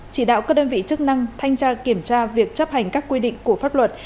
chỉ đạo các đơn vị chức năng thanh tra kiểm tra việc chấp hành các quy định của pháp luật